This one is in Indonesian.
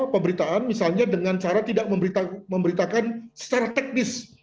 pemberitaan misalnya dengan cara tidak memberitakan secara teknis